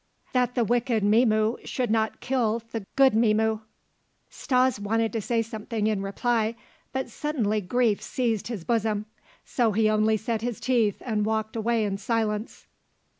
"That the wicked Mzimu should not kill the 'Good Mzimu.'" Stas wanted to say something in reply, but suddenly grief seized his bosom; so he only set his teeth and walked away in silence.